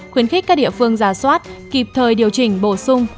khuyến khích các địa phương giả soát kịp thời điều chỉnh bổ sung